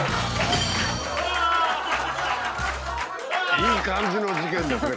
いい感じの事件ですね